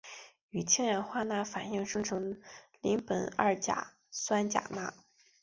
与氢氧化钠反应生成邻苯二甲酸钾钠。